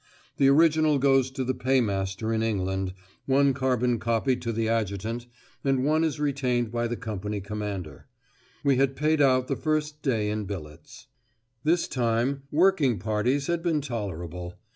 The original goes to the Paymaster in England, one carbon copy to the adjutant, and one is retained by the company commander. We had paid out the first day in billets. This time "working parties" had been tolerable.